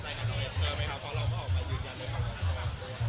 เพราะว่าเราก็ออกไปวินยาลในความคิดอย่างมาก